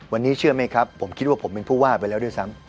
วันนี้เชื่อไหมครับผมคิดว่าผมเป็นผู้ว่าไปแล้วด้วยซ้ำ